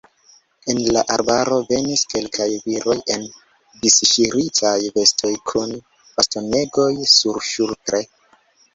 El la arbaro venis kelkaj viroj en disŝiritaj vestoj kun bastonegoj surŝultre.